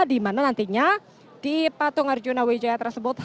dimana nantinya di patung arjuna wijaya tersebut